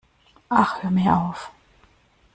Ach, hör mir auf!